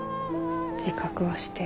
自覚はしてる。